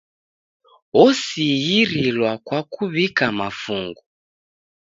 Osighirilwa kwa kuw'ika mafungu.